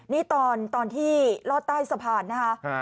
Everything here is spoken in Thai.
นี่ตอนที่ลอดใต้สะพานนะคะ